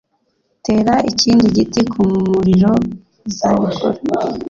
Tera ikindi giti ku muriro uzabikora?